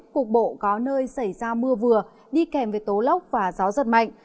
cục bộ có nơi xảy ra mưa vừa đi kèm với tố lốc và gió giật mạnh